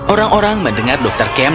orang orang mendengar dr kemp